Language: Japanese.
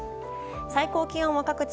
最高気温は各地